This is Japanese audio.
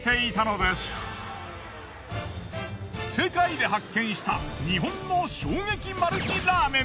世界で発見した日本の衝撃マル秘ラーメン。